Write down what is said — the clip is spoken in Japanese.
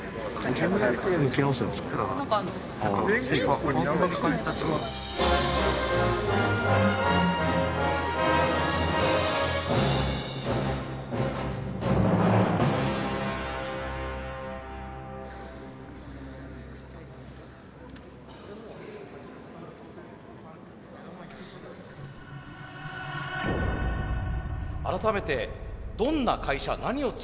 改めてどんな会社何を作っていらっしゃるんですか？